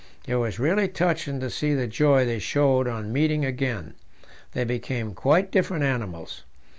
It was really touching to see the joy they showed on meeting again; they became quite different animals.